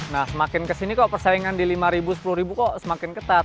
nah semakin ke sini kok persaingan di lima sepuluh kok semakin ketat